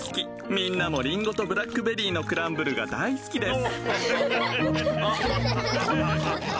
みんなもリンゴとブラックベリーのクランブルが大好きです